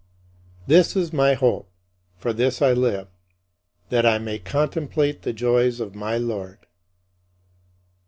" This is my hope; for this I live: that I may contemplate the joys of my Lord.